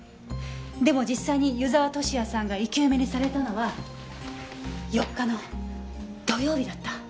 でも実際に湯沢敏也さんが生き埋めにされたのは４日の土曜日だった。